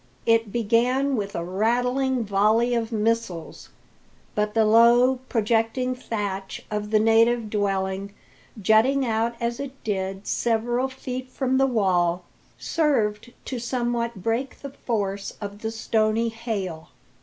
It began with a rattling volley of missiles, but the low, projecting thatch of the native dwelling, jutting out as it did several feet from the wall, served to somewhat break the force of the stony hail.